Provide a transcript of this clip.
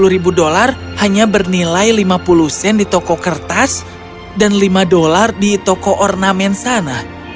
sepuluh ribu dolar hanya bernilai lima puluh sen di toko kertas dan lima dolar di toko ornamen sana